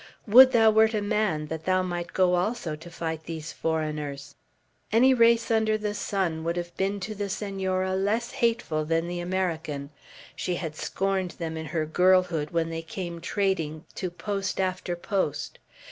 "Would thou wert a man, that thou might go also to fight these foreigners!" Any race under the sun would have been to the Senora less hateful than the American. She had scorned them in her girlhood, when they came trading to post after post.